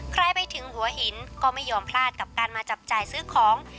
ใครไปถึงหัวหินก็ไม่ยอมพลาดกับการมาจับจ่ายซื้อของ